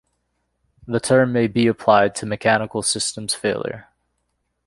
The term may be applied to mechanical systems failure.